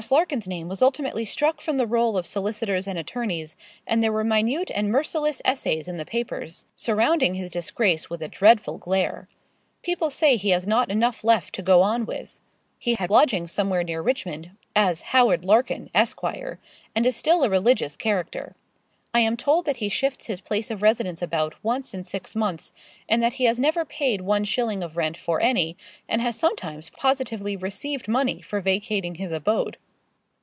Larkin's name was ultimately struck from the roll of solicitors and attorneys, and there were minute and merciless essays in the papers, surrounding his disgrace with a dreadful glare. People say he has not enough left to go on with. He had lodgings somewhere near Richmond, as Howard Larkin, Esq., and is still a religious character. I am told that he shifts his place of residence about once in six months, and that he has never paid one shilling of rent for any, and has sometimes positively received money for vacating his abode.